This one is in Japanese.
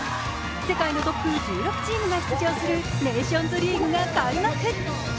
世界のトップ１６チームが出場するネーションズリーグが開幕。